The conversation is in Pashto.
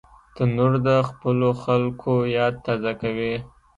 تنور د خپلو خلکو یاد تازه کوي